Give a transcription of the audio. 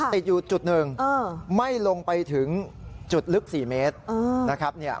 ติดอยู่จุดหนึ่งไม่ลงไปถึงจุดลึก๔เมตรนะครับ